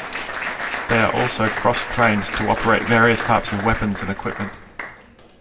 They are also cross-trained to operate various types of weapons and equipment.